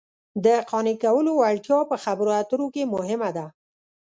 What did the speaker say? د قانع کولو وړتیا په خبرو اترو کې مهمه ده